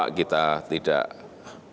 ingin mengganti negara